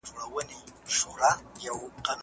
زه اوږده وخت پاکوالي ساتم وم!